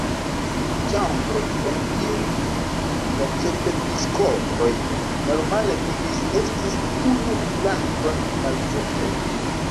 La ĉambroj en kiuj la ĉefepiskopoj normale vivis estis unu plankon malsupre.